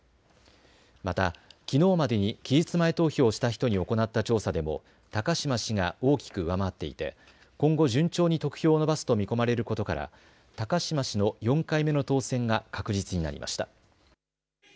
またきのうまでに期日前投票をした人に行った調査でも高島氏が大きく上回っていて今後、順調に得票を伸ばすと見込まれることから高島氏の４回目の当選が確実になりました。